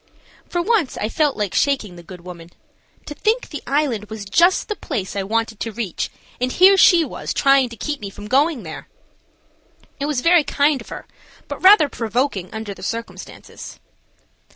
For once I felt like shaking the good woman. To think the Island was just the place I wanted to reach and here she was trying to keep me from going there! It was very kind of her, but rather provoking under the circumstances.